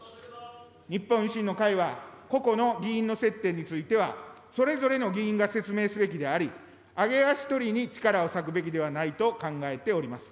日本維新の会は、個々の議員の接点については、それぞれの議員が説明すべきであり、揚げ足取りに力を割くべきではないと考えております。